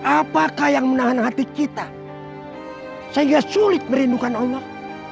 apakah yang menahan hati kita sehingga sulit merindukan allah